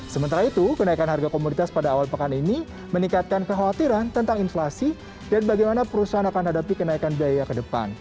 sementara itu kenaikan harga komoditas pada awal pekan ini meningkatkan kekhawatiran tentang inflasi dan bagaimana perusahaan akan hadapi kenaikan biaya ke depan